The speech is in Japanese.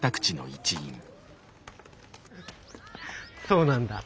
そうなんだ。